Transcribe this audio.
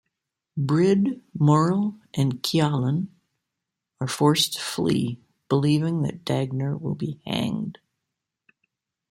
Brid, Moril, and Kialan are forced to flee, believing that Dagner will be hanged.